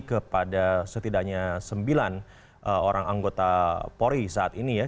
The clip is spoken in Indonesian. kepada setidaknya sembilan orang anggota polri saat ini ya